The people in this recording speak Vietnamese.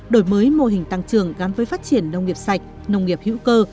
đổi mới mô hình tăng trường gắn với phát triển nông nghiệp sạch nông nghiệp hữu cơ